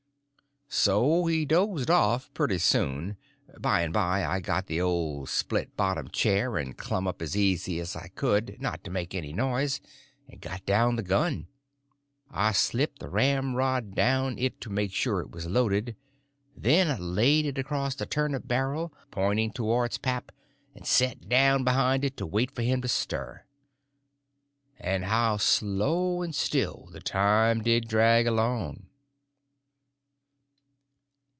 So he dozed off pretty soon. By and by I got the old split bottom chair and clumb up as easy as I could, not to make any noise, and got down the gun. I slipped the ramrod down it to make sure it was loaded, then I laid it across the turnip barrel, pointing towards pap, and set down behind it to wait for him to stir. And how slow and still the time did drag along.